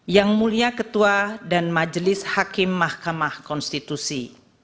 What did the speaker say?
yang mulia ketua dan majelis hakim mahkamah konstitusi